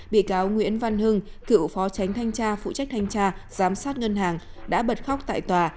bị cáo nguyễn văn hưng cựu phó tránh thanh tra phụ trách thanh tra giám sát ngân hàng đã bật khóc tại tòa